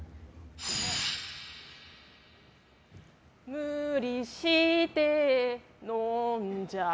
「無理して飲んじゃ」